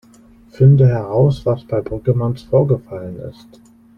Finde heraus, was bei Brüggemanns vorgefallen ist.